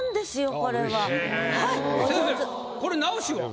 先生これ直しは？